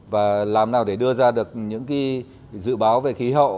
và làm nào để đưa ra được những dự báo về khí hậu